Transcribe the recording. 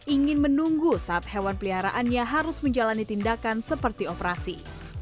ingin menunggu saat hewan peliharaannya harus menjalani tindakan seperti operasi